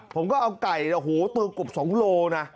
ผมก็เอาไก่ตัวกบ๒โลนะ